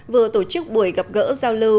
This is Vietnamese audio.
vừa tổ chức buổi gặp gỡ giao lưu